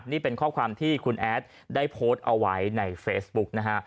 นี่เป็นข้อความที่คุณแอดได้โพสต์เอาไว้ในเฟซบุ๊กนะฮะ